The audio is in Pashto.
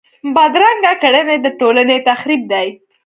بدرنګه کړنې د ټولنې تخریب دي